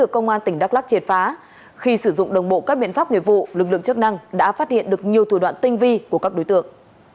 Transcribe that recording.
công an tỉnh đắk lắc triệt phá khi sử dụng đồng bộ các biện pháp nghiệp vụ lực lượng chức năng đã phát hiện được nhiều thủ đoạn tinh vi của các đối tượng